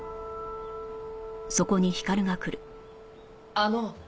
あの。